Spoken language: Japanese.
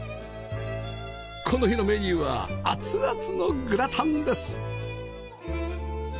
この日のメニューは熱々のグラタンです